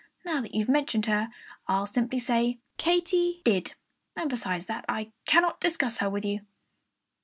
Now that you've mentioned her, I'll simply say Katy did. And beyond that I cannot discuss her with you."